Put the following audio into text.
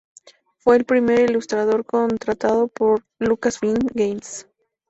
Fue el primer ilustrador contratado por Lucasfilm Games.